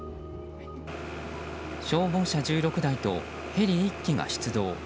消防車１６台とヘリ１機が出動。